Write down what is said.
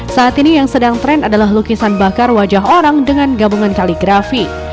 saat ini yang sedang tren adalah lukisan bakar wajah orang dengan gabungan kaligrafi